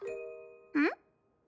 うん？